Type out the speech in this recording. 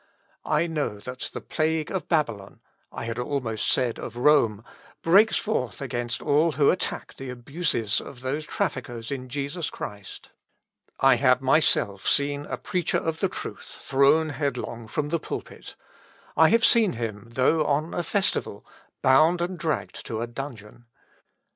I know that the plague of Babylon I had almost said of Rome breaks forth against all who attack the abuses of those traffickers in Jesus Christ. I have myself seen a preacher of the truth thrown headlong from the pulpit; I have seen him, though on a festival, bound and dragged to a dungeon.